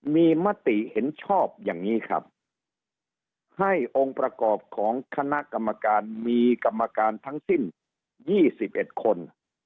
มีมติเห็นชอบอย่างนี้ครับให้องค์ประกอบของคณะกรรมการมีกรรมการทั้งสิ้น๒๑คน